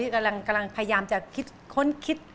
กำลังพยายามจะคิดค้นคิด